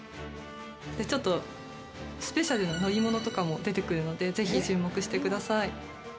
ちょっと、スペシャルな乗り物とかも出てくるのでぜひ、注目してください。